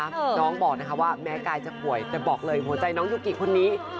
น้องบอกนะคะว่าแม้กายจะป่วยแต่บอกเลยหัวใจน้องยูกิคนนี้